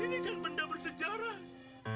ini kan benda bersejarah